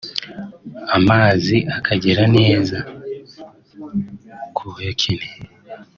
amazi akagera neza ku bayakeneye